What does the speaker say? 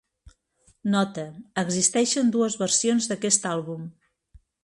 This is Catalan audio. Nota: existeixen dues versions d'aquest àlbum.